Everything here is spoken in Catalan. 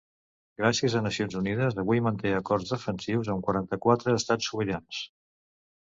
Gràcies a Nacions Unides, avui manté acords defensius amb quaranta-quatre estats sobirans.